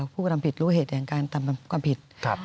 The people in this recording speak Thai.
ผู้กระทำผิดรู้เหตุแห่งการทำความผิด